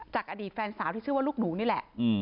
จากอดีตแฟนสาวที่ชื่อว่าลูกหนูนี่แหละ